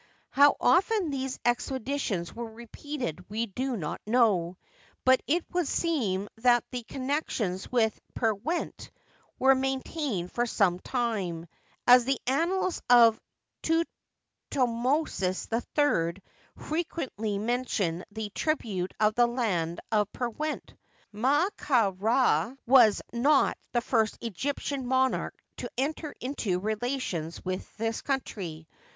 How often these expeditions were repeated we do not know, but it would seem that the connections with Pewent were maintained for some time, as the annals of Thutmo sis III frequently mention the "tribute of the land of Pe went." Ma ka Ra was not the first Egyptian monarch to enter into relations with this country.